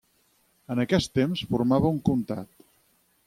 En aquest temps formava un comtat.